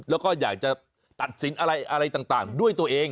แล้วก็อยากจะตัดสินอะไรต่างด้วยตัวเอง